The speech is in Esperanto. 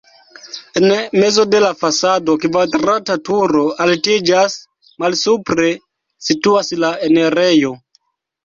En mezo de la fasado kvadrata turo altiĝas, malsupre situas la enirejo.